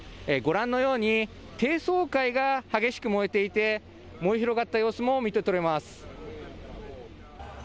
ご覧のように低層階が激しく燃えていて燃え広がった様子も見て取れます。